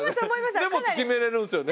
でも決めれるんですよね？